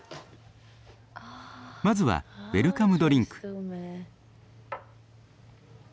まずはウェルカムドリンク。